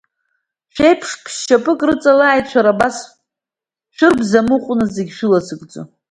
Шәеиԥш ԥшьшьапык рыҵалааит, шәара абас шәырбзамыҟәны зегьы шәылазыгӡо!